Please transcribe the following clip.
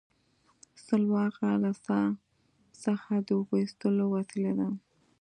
سلواغه له څا څخه د اوبو ایستلو وسیله ده